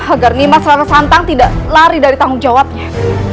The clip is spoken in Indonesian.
agar nimas rana santang tidak lari dari tanggung jawabnya